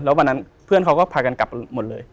วันนั้นเพื่อนเขาก็พากันกลับหมดเลย